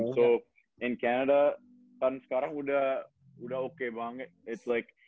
jadi di kanada sekarang sudah oke banget